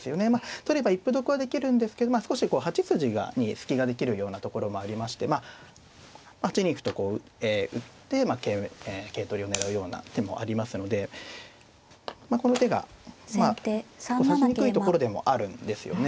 取れば一歩得はできるんですけど少しこう８筋に隙ができるようなところもありまして８二歩とこう打って桂取りを狙うような手もありますのでこの手が指しにくいところでもあるんですよね。